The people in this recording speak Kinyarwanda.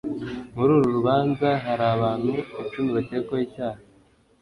Muri uru rubanza hari abantu icumi bakekwaho icyaha.